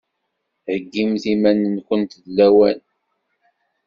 Heggimt iman-nkunt d lawan!